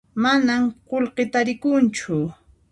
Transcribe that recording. Manan qullqi tarikunchu